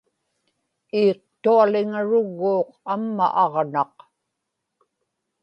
iiqtualiŋarugguuq amma aġnaq